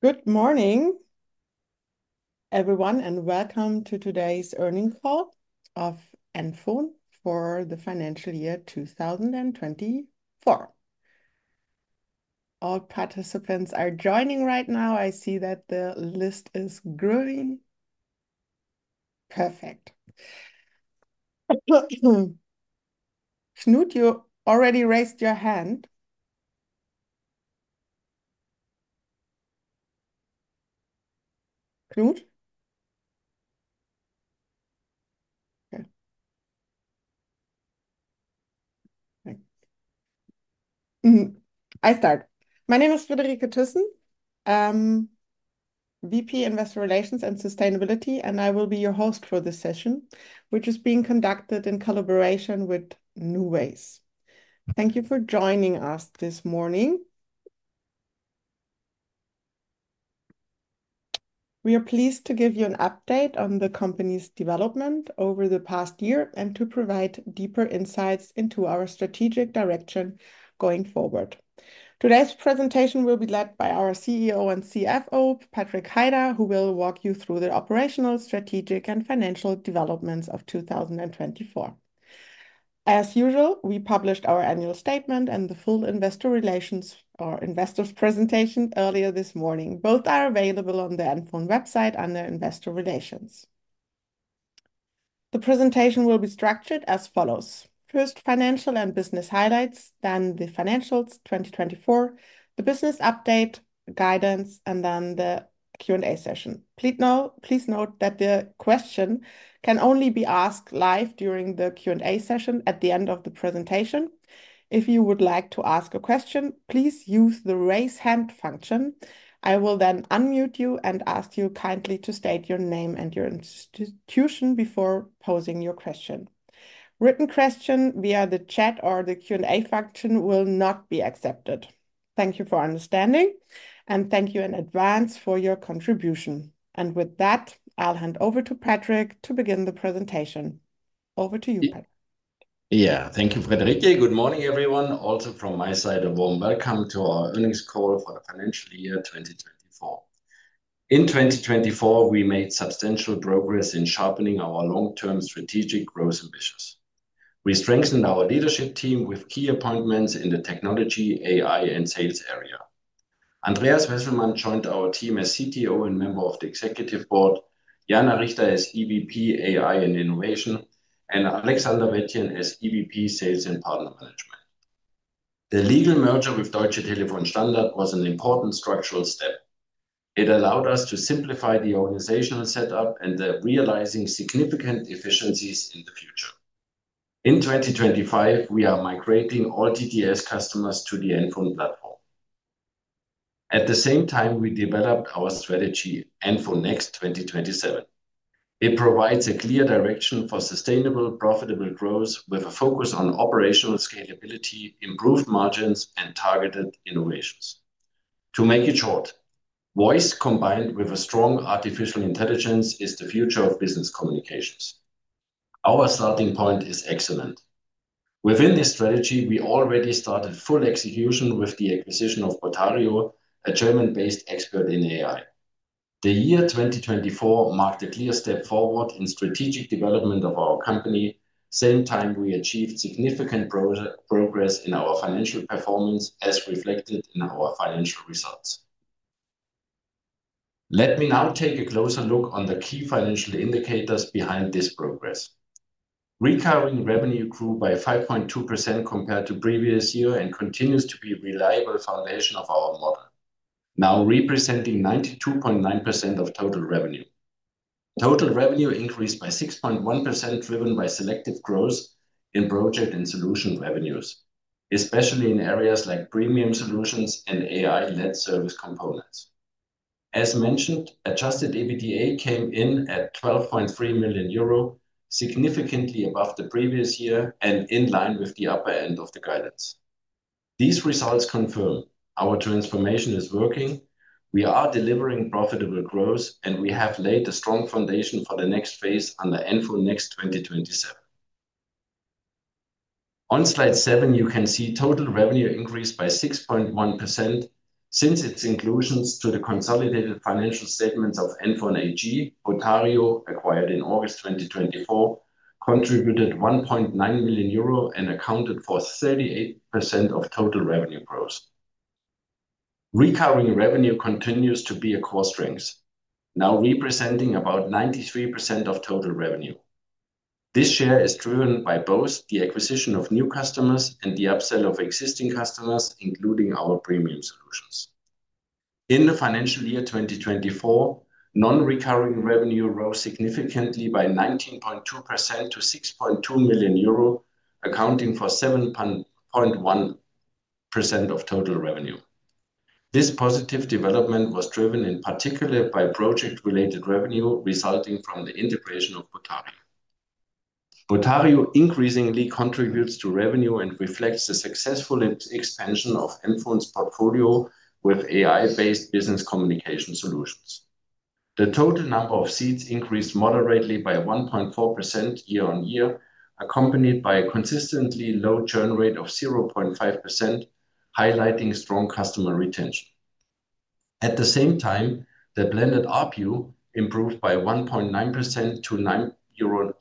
Good morning, everyone, and welcome to today's earning call of NFON for the financial year 2024. All participants are joining right now. I see that the list is growing. Perfect. Knut, you already raised your hand. Knut? Okay. I start. My name is Friederike Thyssen, VP Investor Relations and Sustainability, and I will be your host for this session, which is being conducted in collaboration with NuWays. Thank you for joining us this morning. We are pleased to give you an update on the company's development over the past year and to provide deeper insights into our strategic direction going forward. Today's presentation will be led by our CEO and CFO, Patrik Heider, who will walk you through the operational, strategic, and financial developments of 2024. As usual, we published our annual statement and the full investor relations or investors presentation earlier this morning. Both are available on the NFON website under investor relations. The presentation will be structured as follows: first, financial and business highlights, then the financials 2024, the business update, guidance, and then the Q&A session. Please note that the question can only be asked live during the Q&A session at the end of the presentation. If you would like to ask a question, please use the raise hand function. I will then unmute you and ask you kindly to state your name and your institution before posing your question. Written questions via the chat or the Q&A function will not be accepted. Thank you for understanding and thank you in advance for your contribution. With that, I'll hand over to Patrik to begin the presentation. Over to you, Patrik. Yeah, thank you, Friederike. Good morning, everyone. Also from my side, a warm welcome to our earnings call for the financial year 2024. In 2024, we made substantial progress in sharpening our long-term strategic growth ambitions. We strengthened our leadership team with key appointments in the technology, AI, and sales area. Andreas Wesselmann joined our team as CTO and member of the executive board, Jana Richter as EVP, AI and Innovation, and Alexander Wetjen as EVP, Sales and Partner Management. The legal merger with Deutsche Telefon Standard was an important structural step. It allowed us to simplify the organizational setup and realize significant efficiencies in the future. In 2025, we are migrating all TTS customers to the NFON platform. At the same time, we developed our strategy, NFON Next 2027. It provides a clear direction for sustainable, profitable growth with a focus on operational scalability, improved margins, and targeted innovations. To make it short, voice combined with a strong artificial intelligence is the future of business communications. Our starting point is excellent. Within this strategy, we already started full execution with the acquisition of Botario, a German-based expert in AI. The year 2024 marked a clear step forward in the strategic development of our company. At the same time, we achieved significant progress in our financial performance, as reflected in our financial results. Let me now take a closer look at the key financial indicators behind this progress. Recurring revenue grew by 5.2% compared to the previous year and continues to be a reliable foundation of our model, now representing 92.9% of total revenue. Total revenue increased by 6.1%, driven by selective growth in project and solution revenues, especially in areas like premium solutions and AI-led service components. As mentioned, adjusted EBITDA came in at 12.3 million euro, significantly above the previous year and in line with the upper end of the guidance. These results confirm our transformation is working, we are delivering profitable growth, and we have laid a strong foundation for the next phase under NFON Next 2027. On slide 7, you can see total revenue increased by 6.1% since its inclusion to the consolidated financial statements of NFON AG. Botario, acquired in August 2024, contributed 1.9 million euro and accounted for 38% of total revenue growth. Recurring revenue continues to be a core strength, now representing about 93% of total revenue. This share is driven by both the acquisition of new customers and the upsell of existing customers, including our premium solutions. In the financial year 2024, non-recurring revenue rose significantly by 19.2% to 6.2 million euro, accounting for 7.1% of total revenue. This positive development was driven in particular by project-related revenue resulting from the integration of Botario. Botario increasingly contributes to revenue and reflects the successful expansion of NFON's portfolio with AI-based business communication solutions. The total number of seats increased moderately by 1.4% year-on-year, accompanied by a consistently low churn rate of 0.5%, highlighting strong customer retention. At the same time, the blended RPU improved by 1.9% to 9.98 euro,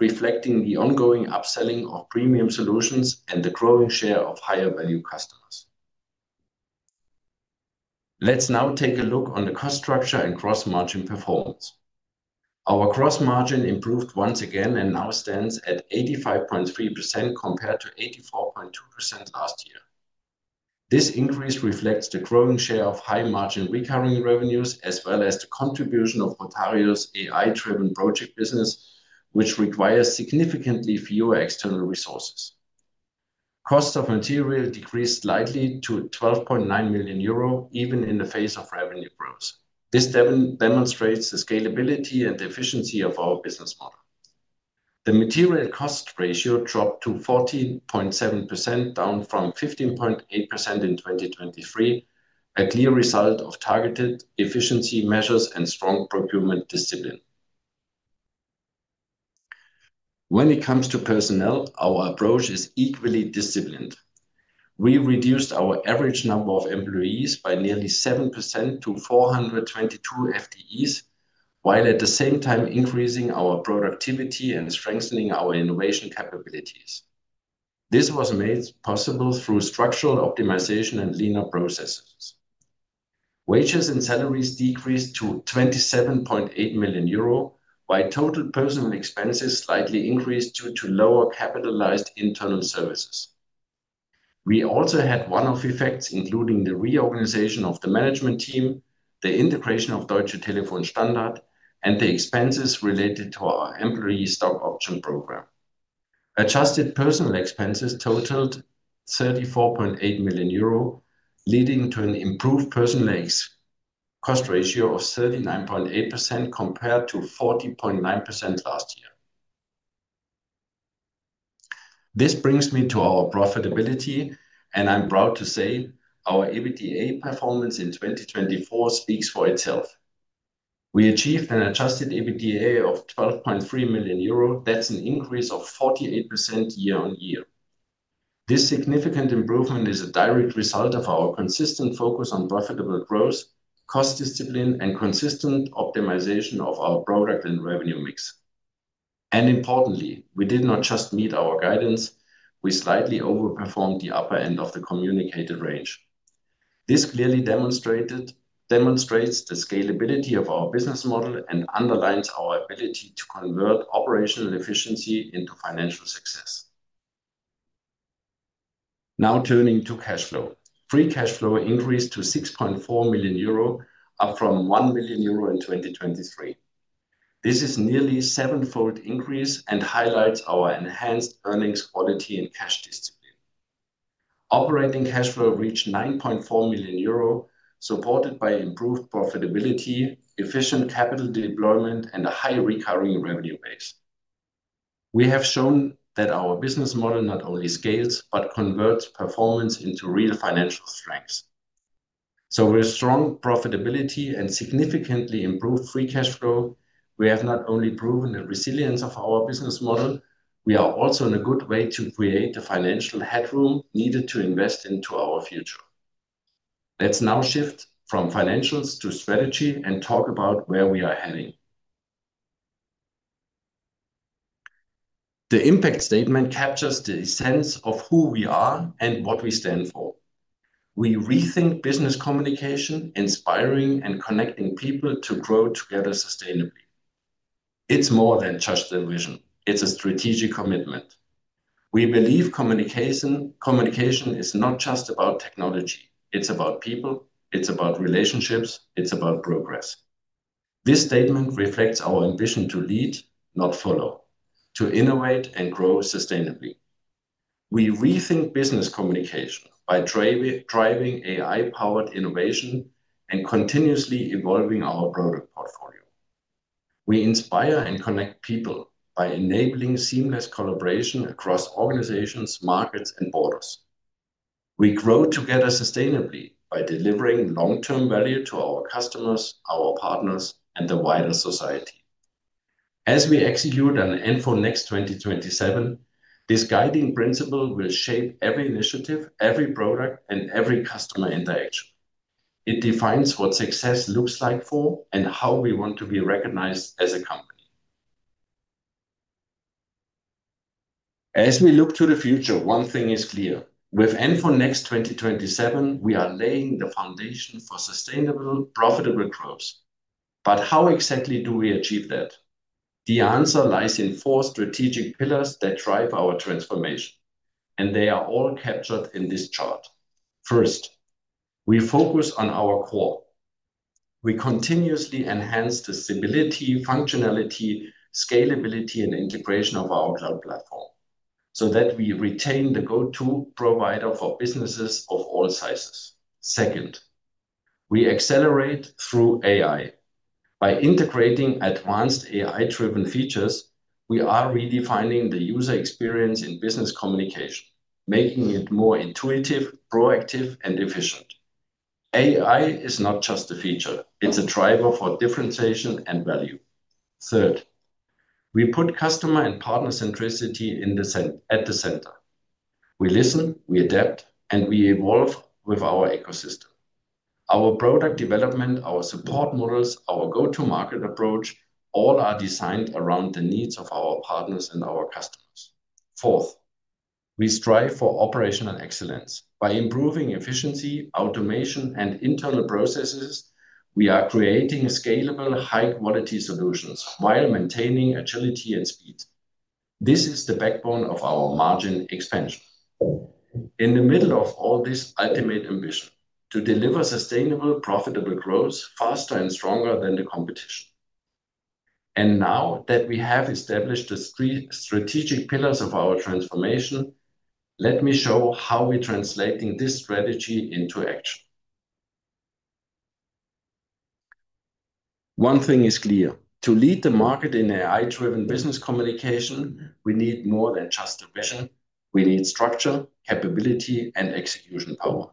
reflecting the ongoing upselling of premium solutions and the growing share of higher-value customers. Let's now take a look at the cost structure and cross-margin performance. Our cross-margin improved once again and now stands at 85.3% compared to 84.2% last year. This increase reflects the growing share of high-margin recurring revenues, as well as the contribution of Botario's AI-driven project business, which requires significantly fewer external resources. Cost of material decreased slightly to 12.9 million euro, even in the face of revenue growth. This demonstrates the scalability and efficiency of our business model. The material cost ratio dropped to 14.7%, down from 15.8% in 2023, a clear result of targeted efficiency measures and strong procurement discipline. When it comes to personnel, our approach is equally disciplined. We reduced our average number of employees by nearly 7% to 422 FTEs, while at the same time increasing our productivity and strengthening our innovation capabilities. This was made possible through structural optimization and leaner processes. Wages and salaries decreased to 27.8 million euro, while total personnel expenses slightly increased due to lower capitalized internal services. We also had one-off effects, including the reorganization of the management team, the integration of Deutsche Telekom Standard, and the expenses related to our employee stock option program. Adjusted personal expenses totaled 34.8 million euro, leading to an improved personal cost ratio of 39.8% compared to 40.9% last year. This brings me to our profitability, and I'm proud to say our EBITDA performance in 2024 speaks for itself. We achieved an adjusted EBITDA of 12.3 million euro. That's an increase of 48% year-on-year. This significant improvement is a direct result of our consistent focus on profitable growth, cost discipline, and consistent optimization of our product and revenue mix. Importantly, we did not just meet our guidance; we slightly overperformed the upper end of the communicated range. This clearly demonstrates the scalability of our business model and underlines our ability to convert operational efficiency into financial success. Now turning to cash flow, free cash flow increased to 6.4 million euro, up from 1 million euro in 2023. This is nearly a seven-fold increase and highlights our enhanced earnings quality and cash discipline. Operating cash flow reached 9.4 million euro, supported by improved profitability, efficient capital deployment, and a high recurring revenue base. We have shown that our business model not only scales but converts performance into real financial strengths. With strong profitability and significantly improved free cash flow, we have not only proven the resilience of our business model. We are also in a good way to create the financial headroom needed to invest into our future. Let's now shift from financials to strategy and talk about where we are heading. The impact statement captures the essence of who we are and what we stand for. We rethink business communication, inspiring, and connecting people to grow together sustainably. It's more than just a vision. It's a strategic commitment. We believe communication is not just about technology. It's about people. It's about relationships. It's about progress. This statement reflects our ambition to lead, not follow, to innovate and grow sustainably. We rethink business communication by driving AI-powered innovation and continuously evolving our product portfolio. We inspire and connect people by enabling seamless collaboration across organizations, markets, and borders. We grow together sustainably by delivering long-term value to our customers, our partners, and the wider society. As we execute on NFON Next 2027, this guiding principle will shape every initiative, every product, and every customer interaction. It defines what success looks like for us and how we want to be recognized as a company. As we look to the future, one thing is clear: with NFON Next 2027, we are laying the foundation for sustainable, profitable growth. How exactly do we achieve that? The answer lies in four strategic pillars that drive our transformation, and they are all captured in this chart. First, we focus on our core. We continuously enhance the stability, functionality, scalability, and integration of our cloud platform so that we retain the go-to provider for businesses of all sizes. Second, we accelerate through AI. By integrating advanced AI-driven features, we are redefining the user experience in business communication, making it more intuitive, proactive, and efficient. AI is not just a feature; it is a driver for differentiation and value. Third, we put customer and partner centricity at the center. We listen, we adapt, and we evolve with our ecosystem. Our product development, our support models, our go-to-market approach—all are designed around the needs of our partners and our customers. Fourth, we strive for operational excellence. By improving efficiency, automation, and internal processes, we are creating scalable, high-quality solutions while maintaining agility and speed. This is the backbone of our margin expansion. In the middle of all this ultimate ambition: to deliver sustainable, profitable growth faster and stronger than the competition. Now that we have established the strategic pillars of our transformation, let me show how we are translating this strategy into action. One thing is clear: to lead the market in AI-driven business communication, we need more than just a vision. We need structure, capability, and execution power.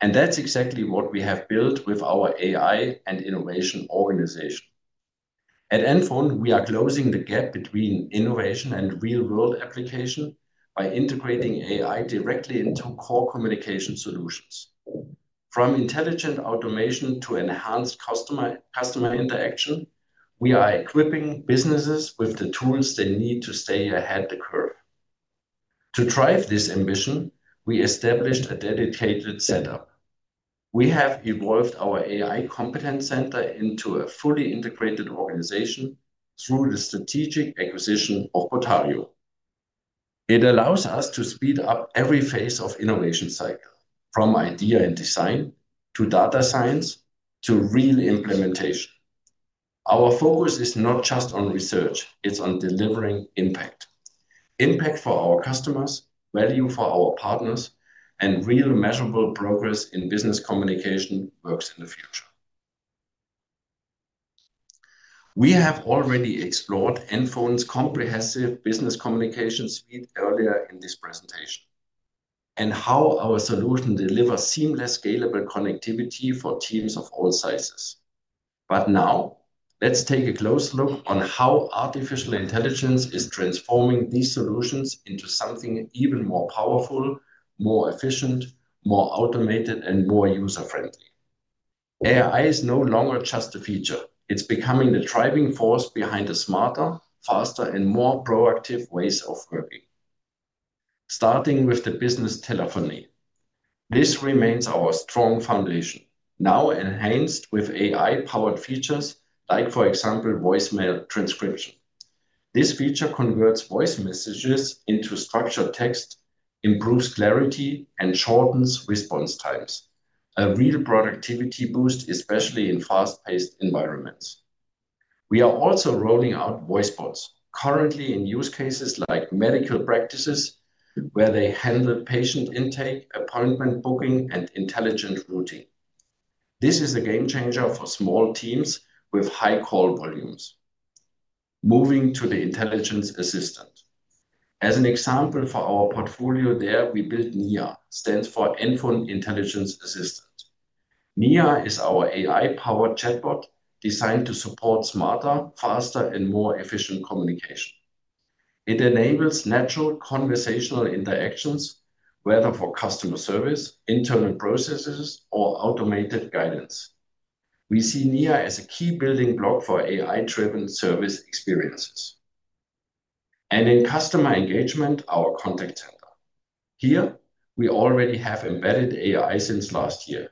That is exactly what we have built with our AI and innovation organization. At NFON, we are closing the gap between innovation and real-world application by integrating AI directly into core communication solutions. From intelligent automation to enhanced customer interaction, we are equipping businesses with the tools they need to stay ahead of the curve. To drive this ambition, we established a dedicated setup. We have evolved our AI competence center into a fully integrated organization through the strategic acquisition of Botario. It allows us to speed up every phase of the innovation cycle, from idea and design to data science to real implementation. Our focus is not just on research; it's on delivering impact. Impact for our customers, value for our partners, and real measurable progress in business communication works in the future. We have already explored NFON's comprehensive business communication suite earlier in this presentation and how our solution delivers seamless, scalable connectivity for teams of all sizes. Now, let's take a close look at how artificial intelligence is transforming these solutions into something even more powerful, more efficient, more automated, and more user-friendly. AI is no longer just a feature; it's becoming the driving force behind smarter, faster, and more proactive ways of working. Starting with the business telephony, this remains our strong foundation, now enhanced with AI-powered features like, for example, voicemail transcription. This feature converts voice messages into structured text, improves clarity, and shortens response times, a real productivity boost, especially in fast-paced environments. We are also rolling out voice bots, currently in use cases like medical practices, where they handle patient intake, appointment booking, and intelligent routing. This is a game changer for small teams with high call volumes. Moving to the intelligence assistant. As an example for our portfolio there, we built NIA, which stands for NFON Intelligence Assistant. NIA is our AI-powered chatbot designed to support smarter, faster, and more efficient communication. It enables natural conversational interactions, whether for customer service, internal processes, or automated guidance. We see NIA as a key building block for AI-driven service experiences. In customer engagement, our contact center, we already have embedded AI since last year.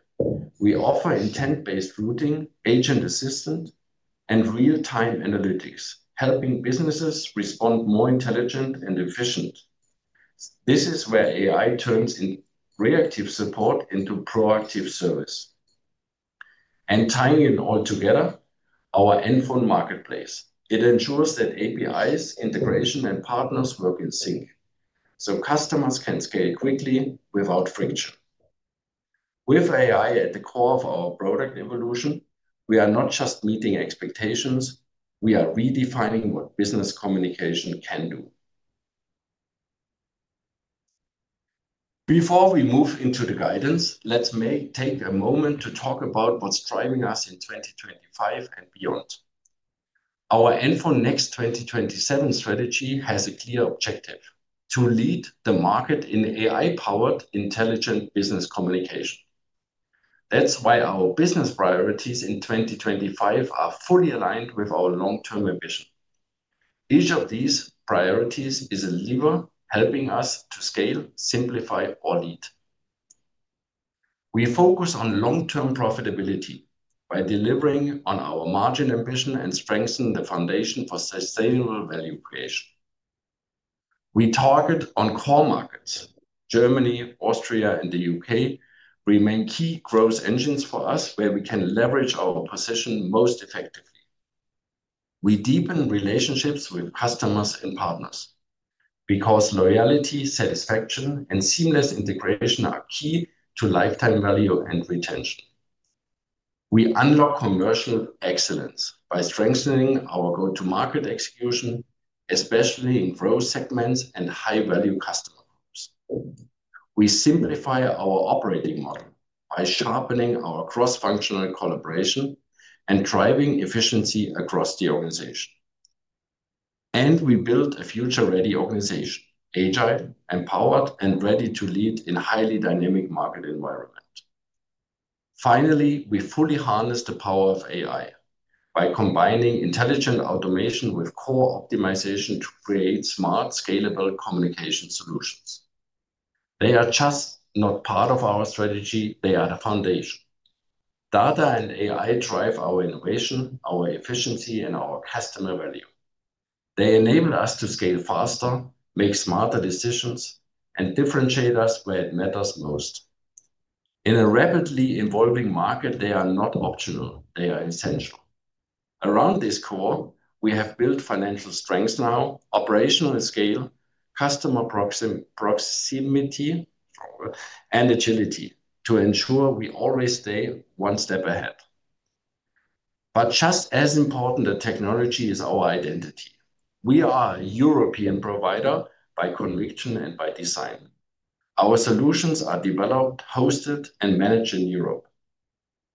We offer intent-based routing, agent assistance, and real-time analytics, helping businesses respond more intelligent and efficient. This is where AI turns reactive support into proactive service. Tying it all together, our NFON Marketplace. It ensures that APIs, integration, and partners work in sync so customers can scale quickly without friction. With AI at the core of our product evolution, we are not just meeting expectations; we are redefining what business communication can do. Before we move into the guidance, let's take a moment to talk about what's driving us in 2025 and beyond. Our NFON Next 2027 strategy has a clear objective: to lead the market in AI-powered, intelligent business communication. That's why our business priorities in 2025 are fully aligned with our long-term ambition. Each of these priorities is a lever helping us to scale, simplify, or lead. We focus on long-term profitability by delivering on our margin ambition and strengthening the foundation for sustainable value creation. We target on core markets. Germany, Austria, and the U.K. remain key growth engines for us, where we can leverage our position most effectively. We deepen relationships with customers and partners because loyalty, satisfaction, and seamless integration are key to lifetime value and retention. We unlock commercial excellence by strengthening our go-to-market execution, especially in growth segments and high-value customer groups. We simplify our operating model by sharpening our cross-functional collaboration and driving efficiency across the organization. We build a future-ready organization: agile, empowered, and ready to lead in a highly dynamic market environment. Finally, we fully harness the power of AI by combining intelligent automation with core optimization to create smart, scalable communication solutions. They are just not part of our strategy; they are the foundation. Data and AI drive our innovation, our efficiency, and our customer value. They enable us to scale faster, make smarter decisions, and differentiate us where it matters most. In a rapidly evolving market, they are not optional. They are essential. Around this core, we have built financial strengths now: operational scale, customer proximity, and agility to ensure we always stay one step ahead. Just as important a technology is our identity. We are a European provider by conviction and by design. Our solutions are developed, hosted, and managed in Europe.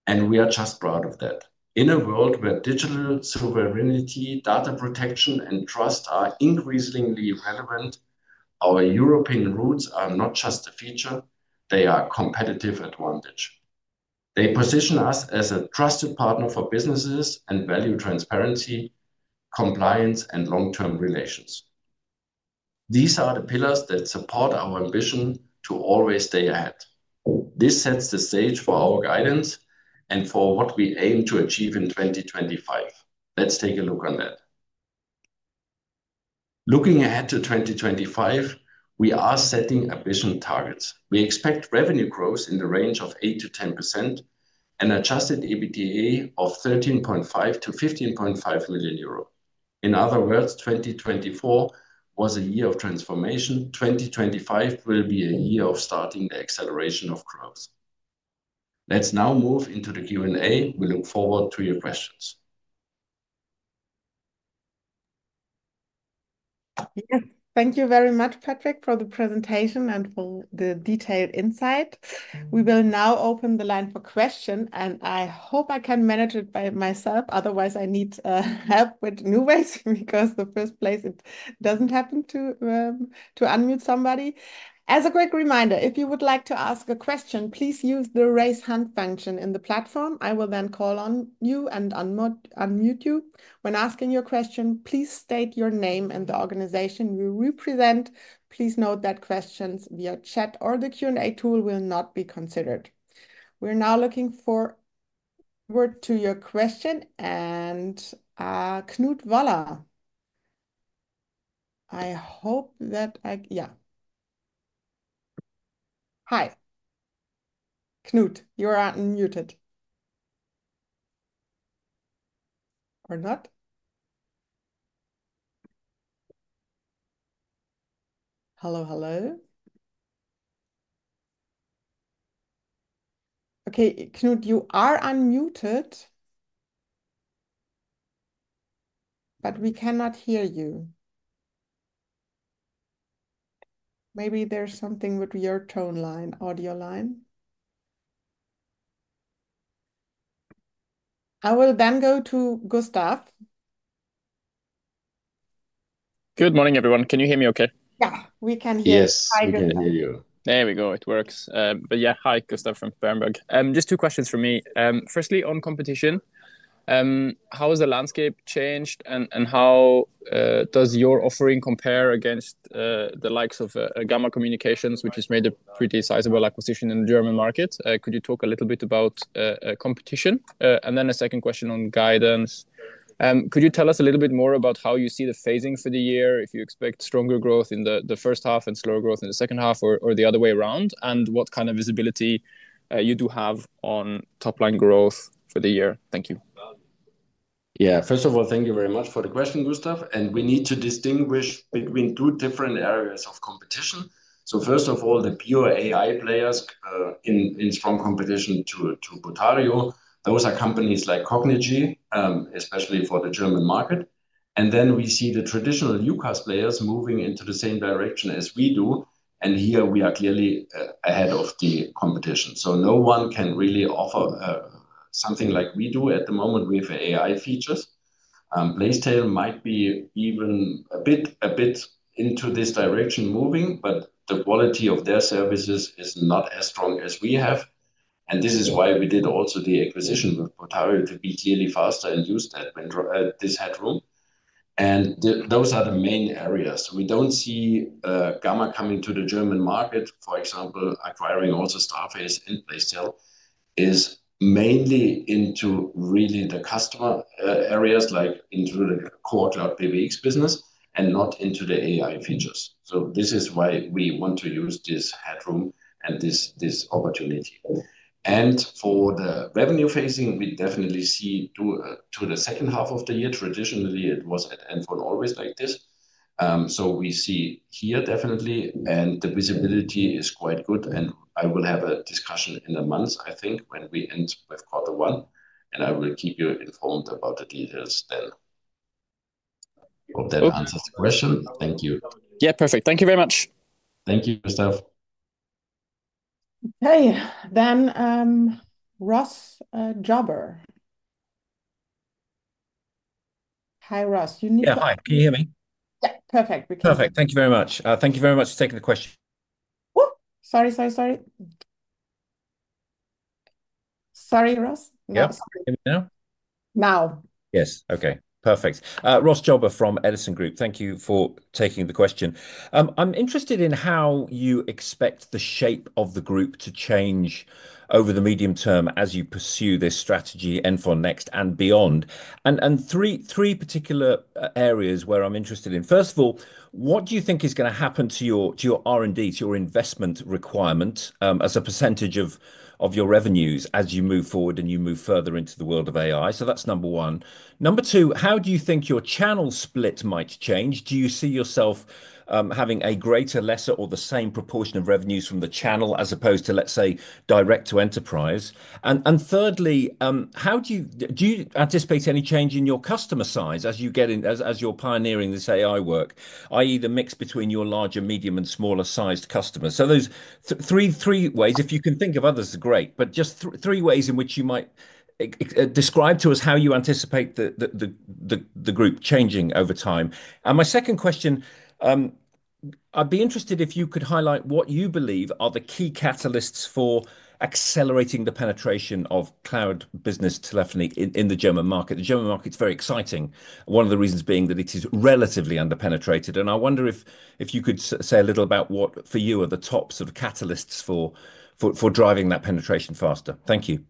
We are just proud of that. In a world where digital sovereignty, data protection, and trust are increasingly relevant, our European roots are not just a feature. They are a competitive advantage. They position us as a trusted partner for businesses and value transparency, compliance, and long-term relations. These are the pillars that support our ambition to always stay ahead. This sets the stage for our guidance and for what we aim to achieve in 2025. Let's take a look on that. Looking ahead to 2025, we are setting ambition targets. We expect revenue growth in the range of 8-10% and an adjusted EBITDA of 13.5-15.5 million euro. In other words, 2024 was a year of transformation; 2025 will be a year of starting the acceleration of growth. Let's now move into the Q&A. We look forward to your questions. Thank you very much, Patrik, for the presentation and for the detailed insight. We will now open the line for questions, and I hope I can manage it by myself. Otherwise, I need help with NuWays because the first place it does not happen to unmute somebody. As a quick reminder, if you would like to ask a question, please use the raise hand function in the platform. I will then call on you and unmute you. When asking your question, please state your name and the organization you represent. Please note that questions via chat or the Q&A tool will not be considered. We're now looking forward to your question, and Knut Waller. I hope that I—yeah. Hi. Knut, you're unmuted. Or not? Hello, hello. Okay, Knut, you are unmuted. But we cannot hear you. Maybe there's something with your tone line, audio line. I will then go to Gustav. Good morning, everyone. Can you hear me okay? Yeah, we can hear you. Yes, we can hear you. There we go, it works. Yeah, hi, Gustav from Berenberg. Just two questions for me. Firstly, on competition, how has the landscape changed, and how does your offering compare against the likes of Gamma Communications, which has made a pretty sizable acquisition in the German market? Could you talk a little bit about competition? A second question on guidance. Could you tell us a little bit more about how you see the phasing for the year, if you expect stronger growth in the first half and slower growth in the second half, or the other way around, and what kind of visibility you do have on top-line growth for the year? Thank you. Yeah, first of all, thank you very much for the question, Gustav. We need to distinguish between two different areas of competition. First of all, the pure AI players in strong competition to Botario. Those are companies like Cognigy, especially for the German market. Then we see the traditional UCaaS players moving into the same direction as we do. Here we are clearly ahead of the competition. No one can really offer something like we do at the moment with AI features. Bazel might be even a bit into this direction moving, but the quality of their services is not as strong as we have. This is why we did also the acquisition with Botario to be clearly faster and use that when this had room. Those are the main areas. We do not see Gamma coming to the German market, for example, acquiring also Starace and Bazel is mainly into really the customer areas, like into the core Cloud PBX business and not into the AI features. This is why we want to use this headroom and this opportunity. For the revenue phasing, we definitely see to the second half of the year. Traditionally, it was at NFON always like this. We see here definitely, and the visibility is quite good. I will have a discussion in a month, I think, when we end with quarter one. I will keep you informed about the details then. Hope that answers the question. Thank you. Yeah, perfect. Thank you very much. Thank you, Gustav. Okay, then Ross Jobber. Hi, Ross. You need to—Yeah, hi. Can you hear me? Yeah, perfect. Perfect. Thank you very much. Thank you very much for taking the question. Whoop. Sorry, sorry, sorry. Sorry, Ross? Yes. Now? Yes. Okay. Perfect. Ross Jobber from Edison Group, thank you for taking the question. I'm interested in how you expect the shape of the group to change over the medium term as you pursue this strategy, NFON Next, and beyond. Three particular areas where I'm interested in. First of all, what do you think is going to happen to your R&D, to your investment requirements as a percentage of your revenues as you move forward and you move further into the world of AI? That's number one. Number two, how do you think your channel split might change? Do you see yourself having a greater, lesser, or the same proportion of revenues from the channel as opposed to, let's say, direct to enterprise? Thirdly, do you anticipate any change in your customer size as you get in, as you're pioneering this AI work, i.e., the mix between your larger, medium, and smaller-sized customers? Those three ways, if you can think of others, great. Just three ways in which you might describe to us how you anticipate the group changing over time. My second question, I'd be interested if you could highlight what you believe are the key catalysts for accelerating the penetration of cloud business telephony in the German market. The German market is very exciting, one of the reasons being that it is relatively under-penetrated. I wonder if you could say a little about what, for you, are the top sort of catalysts for driving that penetration faster. Thank you.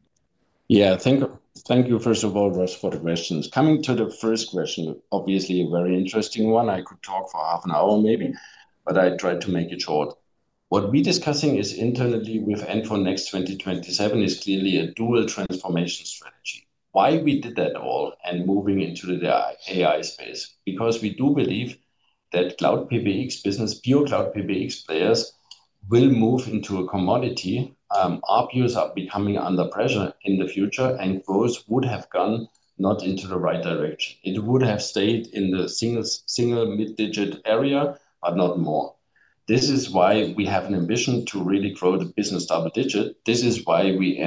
Yeah, thank you, first of all, Ross, for the questions. Coming to the first question, obviously a very interesting one. I could talk for half an hour maybe, but I tried to make it short. What we're discussing internally with NFON Next 2027 is clearly a dual transformation strategy. Why we did that all and moving into the AI space? Because we do believe that cloud PBX business, pure cloud PBX players will move into a commodity. Our views are becoming under pressure in the future, and growth would have gone not into the right direction. It would have stayed in the single mid-digit area, but not more. This is why we have an ambition to really grow the business double digit. This is why we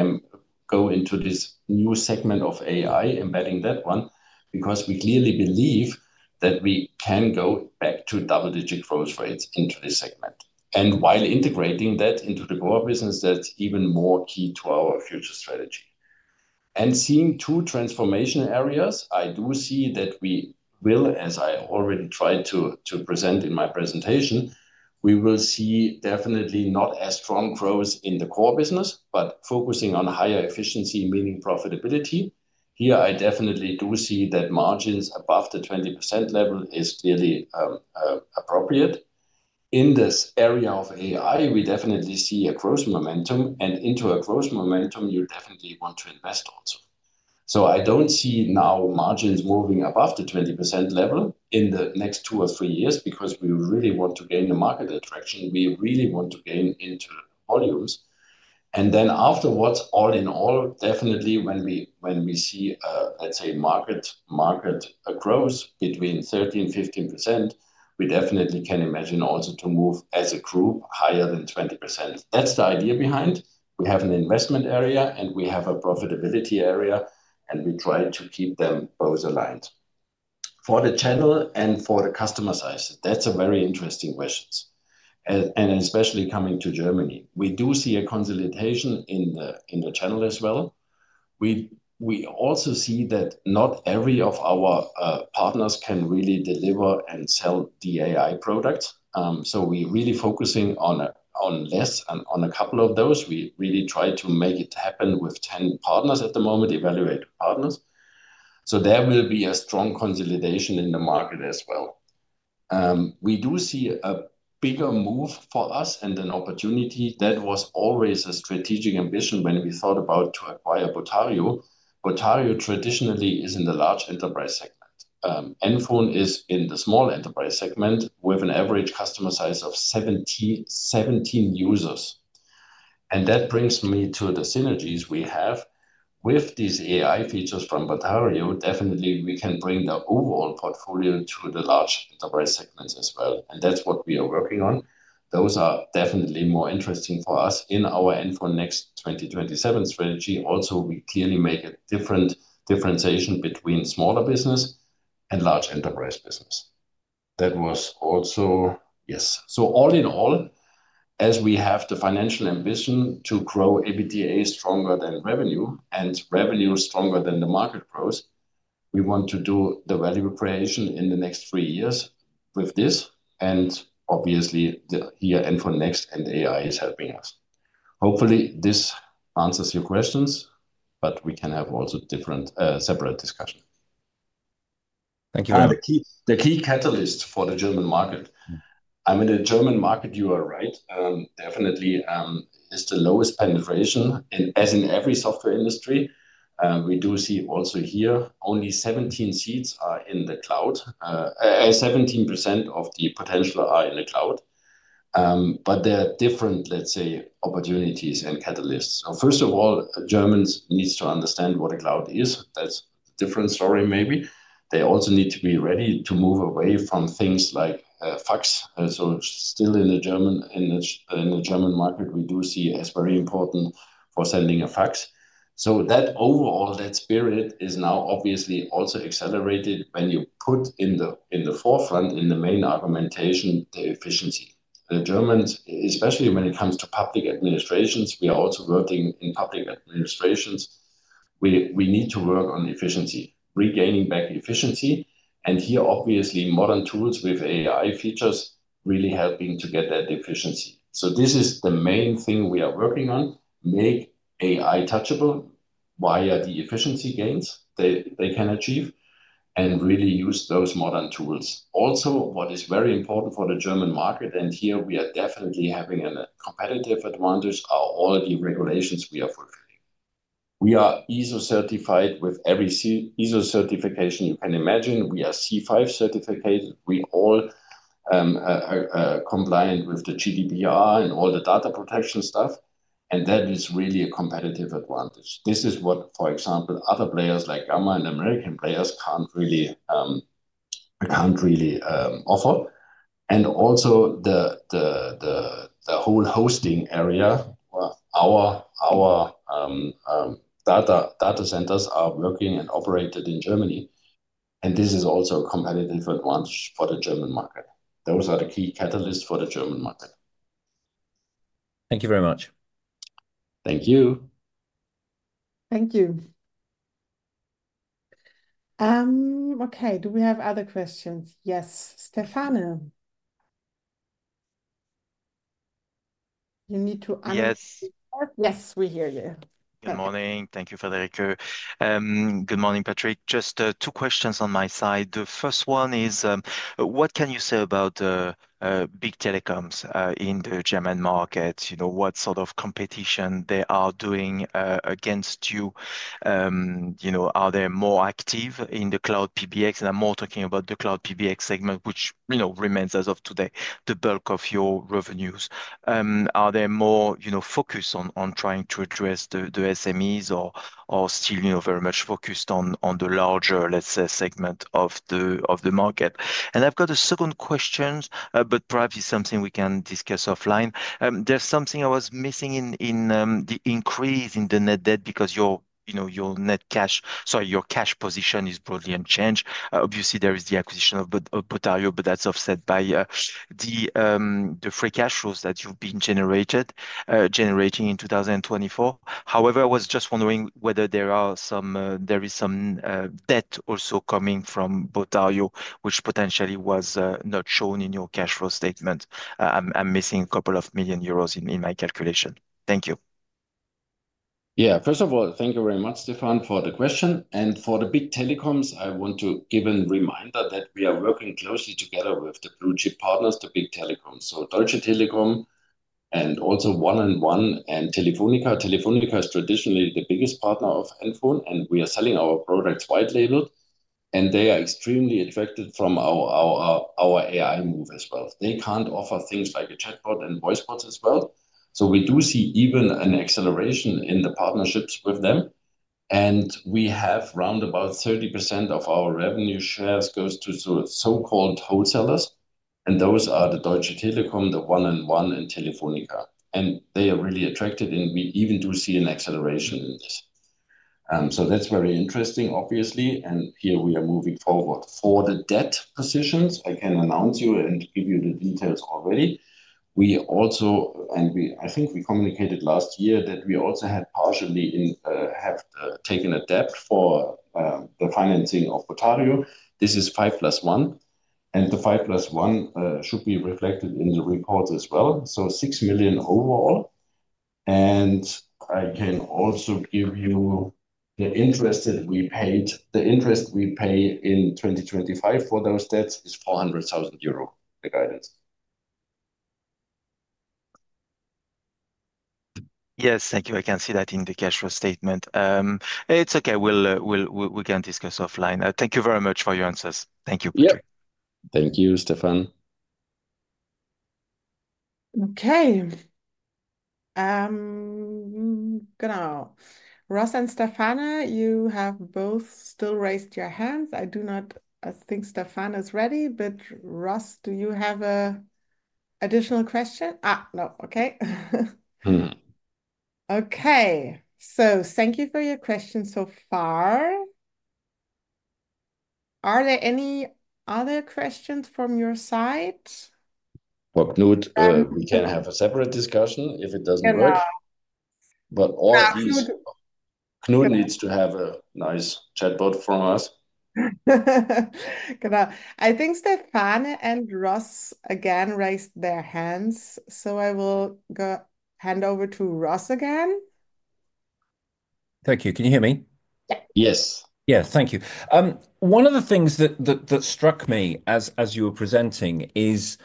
go into this new segment of AI, embedding that one, because we clearly believe that we can go back to double-digit growth rates into this segment. While integrating that into the core business, that's even more key to our future strategy. Seeing two transformation areas, I do see that we will, as I already tried to present in my presentation, we will see definitely not as strong growth in the core business, but focusing on higher efficiency, meaning profitability. Here, I definitely do see that margins above the 20% level is clearly appropriate. In this area of AI, we definitely see a growth momentum, and into a growth momentum, you definitely want to invest also. I do not see now margins moving above the 20% level in the next two or three years because we really want to gain the market attraction. We really want to gain into volumes. Afterwards, all in all, definitely when we see, let's say, market growth between 13%-15%, we definitely can imagine also to move as a group higher than 20%. That is the idea behind. We have an investment area, and we have a profitability area, and we try to keep them both aligned. For the channel and for the customer size, that's a very interesting question. Especially coming to Germany, we do see a consolidation in the channel as well. We also see that not every partner can really deliver and sell the AI products. We are really focusing on less and on a couple of those. We really try to make it happen with 10 partners at the moment, evaluate partners. There will be a strong consolidation in the market as well. We do see a bigger move for us and an opportunity. That was always a strategic ambition when we thought about acquiring Botario. Botario traditionally is in the large enterprise segment. NFON is in the small enterprise segment with an average customer size of 17 users. That brings me to the synergies we have with these AI features from Botario. Definitely, we can bring the overall portfolio to the large enterprise segments as well. That is what we are working on. Those are definitely more interesting for us in our NFON Next 2027 strategy. Also, we clearly make a different differentiation between smaller business and large enterprise business. That was also, yes. All in all, as we have the financial ambition to grow EBITDA stronger than revenue and revenue stronger than the market growth, we want to do the value creation in the next three years with this. Obviously, here NFON Next and AI is helping us. Hopefully, this answers your questions, but we can have also a separate discussion. Thank you. The key catalyst for the German market. I mean, the German market, you are right, definitely is the lowest penetration, as in every software industry. We do see also here only 17 seats are in the cloud. 17% of the potential are in the cloud. There are different, let's say, opportunities and catalysts. First of all, Germans need to understand what a cloud is. That's a different story maybe. They also need to be ready to move away from things like faxes. Still in the German market, we do see as very important for sending a fax. Overall, that spirit is now obviously also accelerated when you put in the forefront, in the main argumentation, the efficiency. The Germans, especially when it comes to public administrations, we are also working in public administrations. We need to work on efficiency, regaining back efficiency. Here, obviously, modern tools with AI features really helping to get that efficiency. This is the main thing we are working on: make AI touchable via the efficiency gains they can achieve and really use those modern tools. Also, what is very important for the German market, and here we are definitely having a competitive advantage, are all the regulations we are fulfilling. We are ISO-certified with every ISO certification you can imagine. We are C5 certified. We are all compliant with the GDPR and all the data protection stuff. That is really a competitive advantage. This is what, for example, other players like Gamma and American players cannot really offer. Also, the whole hosting area, our data centers are working and operated in Germany. This is also a competitive advantage for the German market. Those are the key catalysts for the German market. Thank you very much. Thank you. Thank you. Okay, do we have other questions? Yes, Stefano. You need to answer. Yes. Yes, we hear you. Good morning. Thank you, Friederike. Good morning, Patrik. Just two questions on my side. The first one is, what can you say about big telecoms in the German market? What sort of competition they are doing against you? Are they more active in the cloud PBX? I am more talking about the cloud PBX segment, which remains as of today the bulk of your revenues. Are they more focused on trying to address the SMEs or still very much focused on the larger, let's say, segment of the market? I have got a second question, but perhaps it is something we can discuss offline. There's something I was missing in the increase in the net debt because your net cash, sorry, your cash position is broadly unchanged. Obviously, there is the acquisition of Botario, but that's offset by the free cash flows that you've been generating in 2024. However, I was just wondering whether there is some debt also coming from Botario, which potentially was not shown in your cash flow statement. I'm missing a couple of million EUR in my calculation. Thank you. Yeah, first of all, thank you very much, Stefan, for the question. For the big telecoms, I want to give a reminder that we are working closely together with the blue chip partners, the big telecoms. Deutsche Telekom and also 1&1 and Telefónica. Telefónica is traditionally the biggest partner of NFON, and we are selling our products white-labeled. They are extremely attracted from our AI move as well. They can't offer things like a chatbot and voicebots as well. We do see even an acceleration in the partnerships with them. We have around 30% of our revenue shares go to so-called wholesalers. Those are Deutsche Telekom, 1&1, and Telefónica. They are really attracted, and we even do see an acceleration in this. That is very interesting, obviously. Here we are moving forward. For the debt positions, I can announce you and give you the details already. We also, and I think we communicated last year that we also had partially taken a debt for the financing of Botario. This is five plus one. The five plus one should be reflected in the reports as well. 6 million overall. I can also give you the interest that we paid. The interest we pay in 2025 for those debts is 400,000 euro, the guidance. Yes, thank you. I can see that in the cash flow statement. It's okay. We can discuss offline. Thank you very much for your answers. Thank you. Yeah. Thank you, Stefan. Okay Good. Ross and Stefano, you have both still raised your hands. I do not think Stefano is ready, but Ross, do you have an additional question? No. Okay. Thank you for your questions so far. Are there any other questions from your side? Knut, we can have a separate discussion if it does not work. All of these, Knut needs to have a nice chatbot from us. Good. I think Stefano and Ross again raised their hands. I will hand over to Ross again. Thank you. Can you hear me? Yes. Yes. Thank you. One of the things that struck me as you were presenting is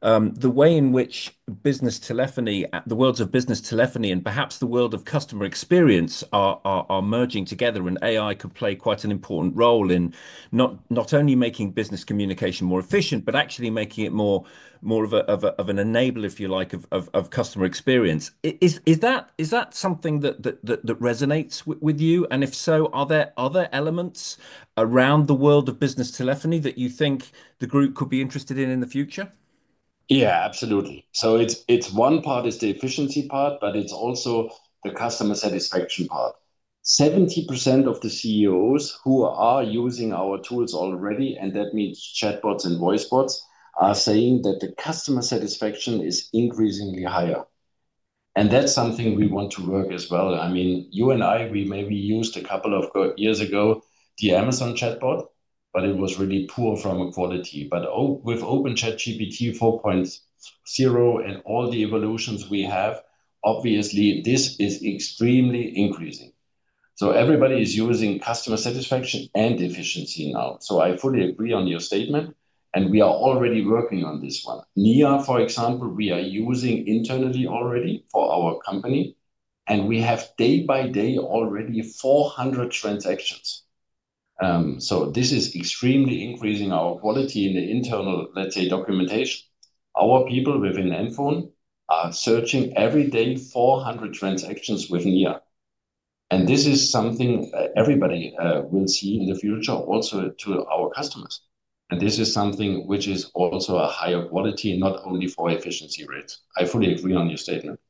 the way in which business telephony, the worlds of business telephony, and perhaps the world of customer experience are merging together, and AI could play quite an important role in not only making business communication more efficient, but actually making it more of an enabler, if you like, of customer experience. Is that something that resonates with you? If so, are there other elements around the world of business telephony that you think the group could be interested in in the future? Yeah, absolutely. One part is the efficiency part, but it is also the customer satisfaction part. 70% of the CEOs who are using our tools already, and that means chatbots and voicebots, are saying that the customer satisfaction is increasingly higher. That is something we want to work as well. I mean, you and I, we maybe used a couple of years ago the Amazon chatbot, but it was really poor from a quality. With Open Chat GPT 4.0 and all the evolutions we have, obviously, this is extremely increasing. Everybody is using customer satisfaction and efficiency now. I fully agree on your statement, and we are already working on this one. NIA, for example, we are using internally already for our company. We have day by day already 400 transactions. This is extremely increasing our quality in the internal, let's say, documentation. Our people within NFON are searching every day 400 transactions with NIA. This is something everybody will see in the future also to our customers. This is something which is also a higher quality, not only for efficiency rates. I fully agree on your statement.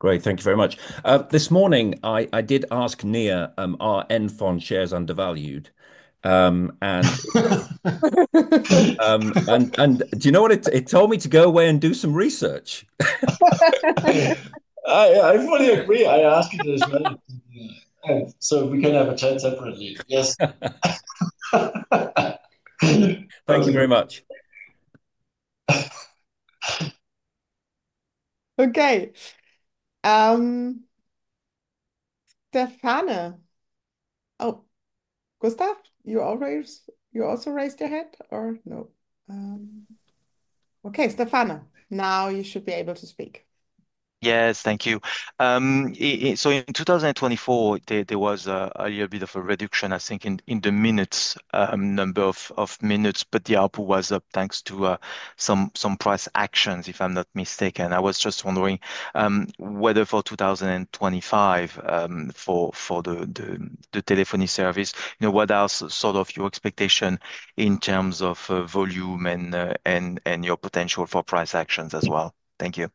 Great. Thank you very much. This morning, I did ask NIA, are NFON shares undervalued? And do you know what? It told me to go away and do some research. I fully agree. I asked it as well. We can have a chat separately. Yes. Thank you very much. Okay. Stefano. Oh, Gustav, you also raised your head or no? Okay, Stefano, now you should be able to speak. Yes, thank you. In 2024, there was a little bit of a reduction, I think, in the minutes, number of minutes, but the output was up thanks to some price actions, if I'm not mistaken. I was just wondering whether for 2025, for the telephony service, what else sort of your expectation in terms of volume and your potential for price actions as well? Thank you.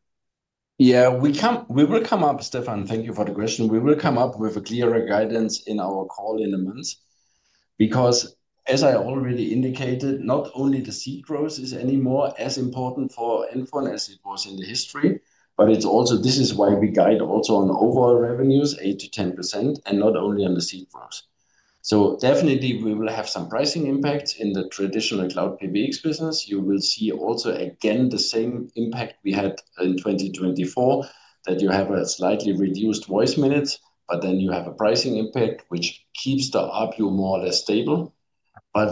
Yeah, we will come up, Stefan. Thank you for the question. We will come up with a clearer guidance in our call in a month. Because, as I already indicated, not only the seat growth is any more as important for NFON as it was in the history, but this is why we guide also on overall revenues, 8-10%, and not only on the seat growth. Definitely, we will have some pricing impacts in the traditional Cloud PBX business. You will see also again the same impact we had in 2024, that you have a slightly reduced voice minutes, but then you have a pricing impact which keeps the RPU more or less stable.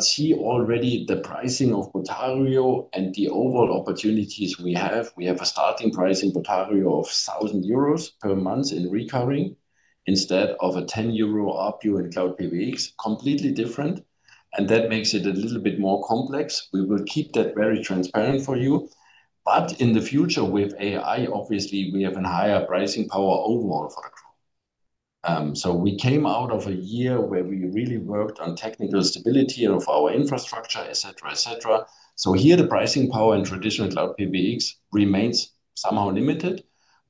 See already the pricing of Botario and the overall opportunities we have. We have a starting price in Botario of 1,000 euros per month in recovery instead of a 10 euro RPU in Cloud PBX, completely different. That makes it a little bit more complex. We will keep that very transparent for you. In the future, with AI, obviously, we have a higher pricing power overall for the group. We came out of a year where we really worked on technical stability of our infrastructure, etc., etc. Here, the pricing power in traditional cloud PBX remains somehow limited.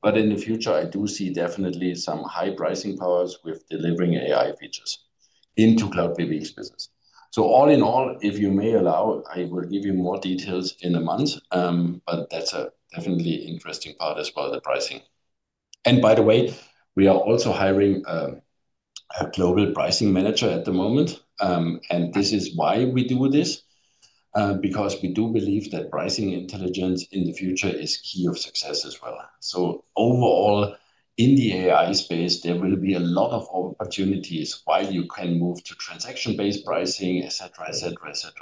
In the future, I do see definitely some high pricing powers with delivering AI features into cloud PBX business. All in all, if you may allow, I will give you more details in a month, but that is a definitely interesting part as well, the pricing. By the way, we are also hiring a global pricing manager at the moment. This is why we do this, because we do believe that pricing intelligence in the future is key of success as well. Overall, in the AI space, there will be a lot of opportunities while you can move to transaction-based pricing, etc., etc., etc.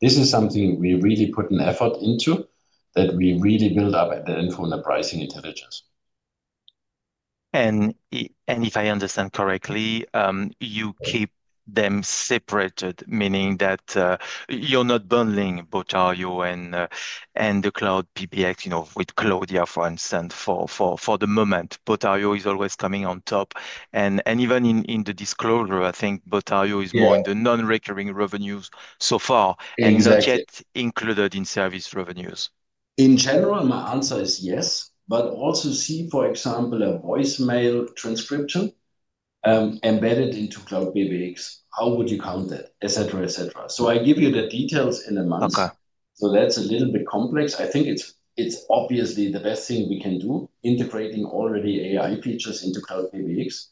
This is something we really put an effort into, that we really build up at the NFON pricing intelligence. If I understand correctly, you keep them separated, meaning that you're not bundling Botario and the Cloud PBX with Cloudya, for instance, for the moment. Botario is always coming on top. Even in the disclosure, I think Botario is more in the non-recurring revenues so far, and not yet included in service revenues. In general, my answer is yes, but also see, for example, a voicemail transcription embedded into Cloud PBX, how would you count that, etc., etc. I give you the details in a month. That is a little bit complex. I think it's obviously the best thing we can do, integrating already AI features into Cloud PBX.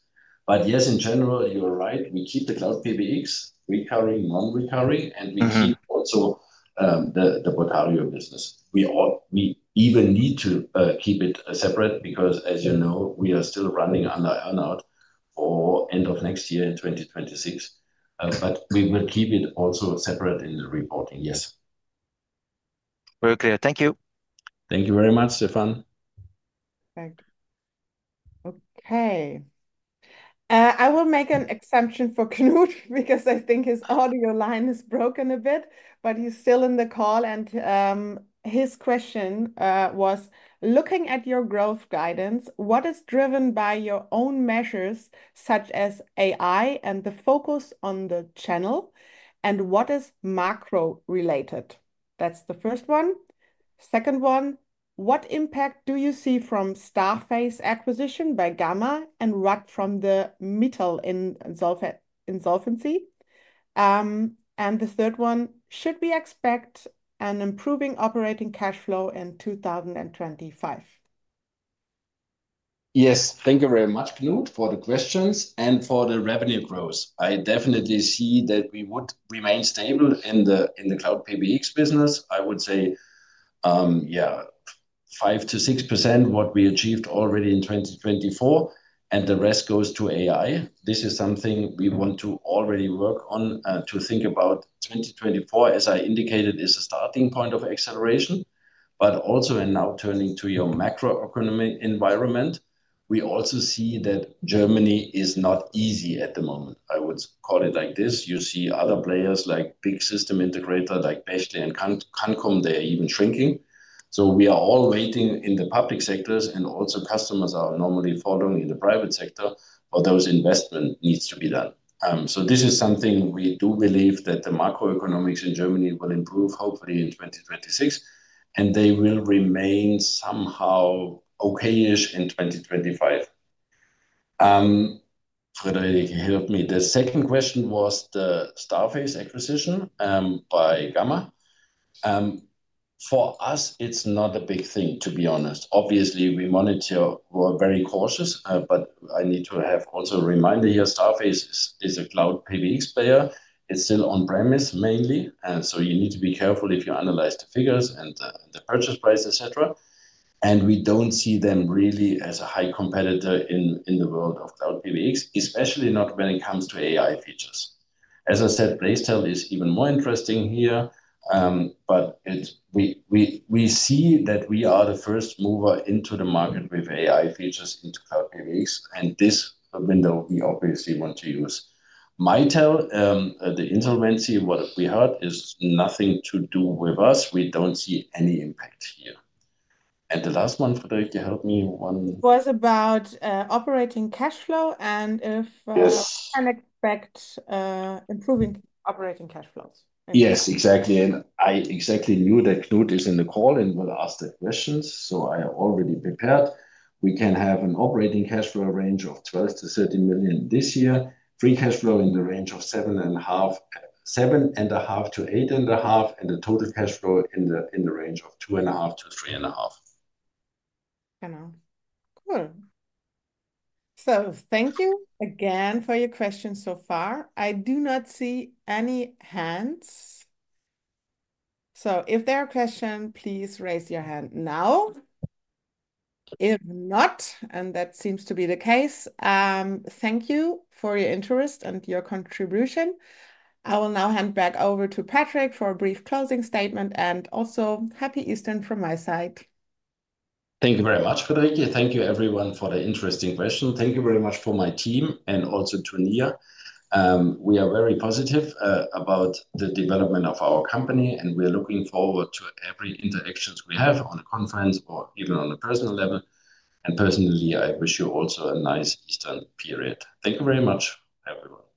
Yes, in general, you're right. We keep the Cloud PBX, recovery, non-recovery, and we keep also the Botario business. We even need to keep it separate because, as you know, we are still running under earn-out for end of next year in 2026. We will keep it also separate in the reporting, yes. Very clear. Thank you. Thank you very much, Stefan. Okay. I will make an exception for Knut because I think his audio line is broken a bit, but he's still in the call. His question was, looking at your growth guidance, what is driven by your own measures, such as AI and the focus on the channel, and what is macro-related? That's the first one. Second one, what impact do you see from Starface acquisition by Gamma and Rottkay from the Mitel in insolvency? The third one, should we expect an improving operating cash flow in 2025? Yes, thank you very much, Knut, for the questions and for the revenue growth. I definitely see that we would remain stable in the Cloud PBX business. I would say, yeah, 5-6% what we achieved already in 2024, and the rest goes to AI. This is something we want to already work on to think about 2024, as I indicated, is a starting point of acceleration, but also now turning to your macro-economic environment. We also see that Germany is not easy at the moment. I would call it like this. You see other players like big system integrator like Bechtle and Cancom, they're even shrinking. We are all waiting in the public sectors, and also customers are normally following in the private sector for those investments that need to be done. This is something we do believe, that the macro-economics in Germany will improve, hopefully in 2026, and they will remain somehow okay-ish in 2025. Friederike, help me. The second question was the Starface acquisition by Gamma. For us, it is not a big thing, to be honest. Obviously, we monitor, we are very cautious, but I need to have also a reminder here. Starface is a cloud PBX player. It is still on-premise mainly. You need to be careful if you analyze the figures and the purchase price, etc. We do not see them really as a high competitor in the world of cloud PBX, especially not when it comes to AI features. As I said, Bytesquad is even more interesting here, but we see that we are the first mover into the market with AI features into Cloud PBX, and this window we obviously want to use. Mitel, the insolvency, what we heard is nothing to do with us. We do not see any impact here. The last one, Friederike, help me. It was about operating cash flow and if we can expect improving operating cash flows. Yes, exactly. I exactly knew that Knut is in the call and will ask the questions. I already prepared. We can have an operating cash flow range of 12 million-13 million this year, free cash flow in the range of 7.5 million-8.5 million, and the total cash flow in the range of 2.5 million-3.5 million. Cool. Thank you again for your questions so far. I do not see any hands. If there are questions, please raise your hand now. If not, and that seems to be the case, thank you for your interest and your contribution. I will now hand back over to Patrik for a brief closing statement and also Happy Easter from my side. Thank you very much, Friederike. Thank you, everyone, for the interesting question. Thank you very much for my team and also to NIA. We are very positive about the development of our company, and we are looking forward to every interaction we have on a conference or even on a personal level. Personally, I wish you also a nice Easter period. Thank you very much, everyone.